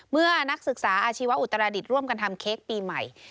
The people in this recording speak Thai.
นักศึกษาอาชีวะอุตราดิษฐ์ร่วมกันทำเค้กปีใหม่